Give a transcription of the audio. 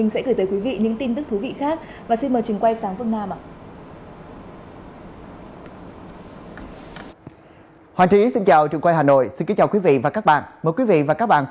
xin chào quý vị và các bạn